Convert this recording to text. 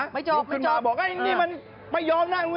ไม่จบนะลุกขึ้นมาบอกนี่มันไม่ยอมนั่ง